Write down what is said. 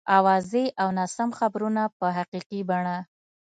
اوازې او ناسم خبرونه په حقیقي بڼه.